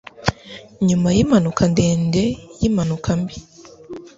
Nyuma yimpanuka ndende yimpanuka mbi